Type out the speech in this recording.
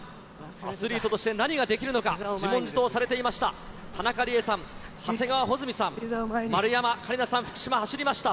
アスリートとして何ができるのか、自問自答されていました、田中理恵さん、長谷川穂積さん、丸山桂里奈さん、福島走りました。